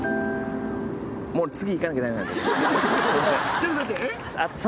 ちょっと待って。